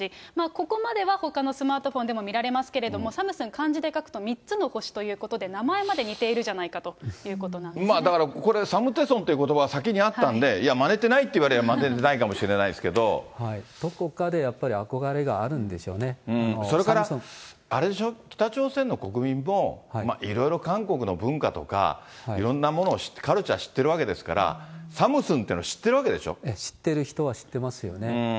ここまではほかのスマートフォンでも見られますけれども、サムスン、漢字で書くと３つの星ということで、名前まで似ているじゃないかだからこれ、サムテソンということばが先にあったんで、いや、まねてないっていわれりゃまねてどこかでやっぱり憧れがあるそれからあれでしょう、北朝鮮の国民も、いろいろ韓国の文化とか、いろんなものを、カルチャー知ってるわけですから、サムスンって知ってる人は知ってますよね。